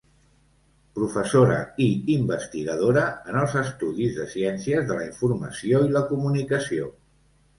Professora i investigadora en els Estudis de Ciències de la Informació i la Comunicació.